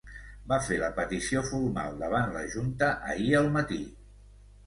Va fer la petició formal davant la junta ahir al matí.